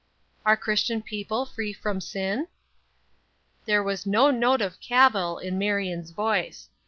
"Are Christian people free from sin?" There was no note of cavil in Marion's voice.